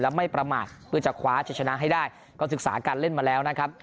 และไม่ประมาทเพื่อจะคว้าจะชนะให้ได้ก็ศึกษาการเล่นมาแล้วนะครับ